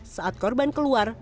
saat korban keluar